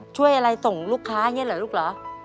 ช่วยอะไรส่งลูกค้าอย่างนี้เหรอลูกเหรอ